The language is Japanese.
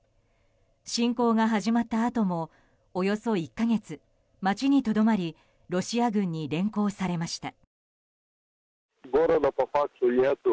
侵攻が始まったあともおよそ１か月、街にとどまりロシア軍に連行されました。